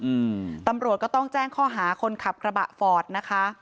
อืมตำรวจก็ต้องแจ้งข้อหาคนขับกระบะฟอร์ดนะคะ